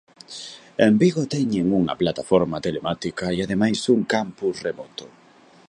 En Vigo teñen unha plataforma telemática e ademais un campus remoto.